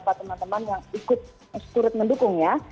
jadi kita sudah melihat beberapa teman teman yang ikut sekurit mendukungnya